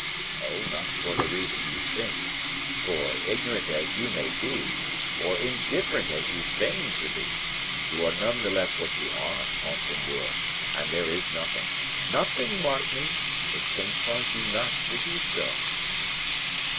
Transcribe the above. Oh, not for the reason you think; for, ignorant as you may be, or indifferent as you feign to be, you are none the less what you are, monseigneur, and there is nothing nothing, mark me! which can cause you not to be so."